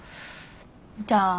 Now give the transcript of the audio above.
じゃあ私